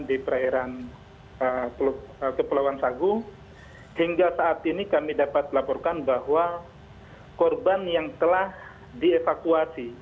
di perairan kepulauan sagu hingga saat ini kami dapat laporkan bahwa korban yang telah dievakuasi